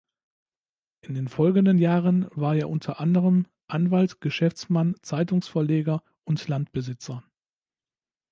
In den folgenden Jahren war er unter anderem Anwalt, Geschäftsmann, Zeitungsverleger und Landbesitzer.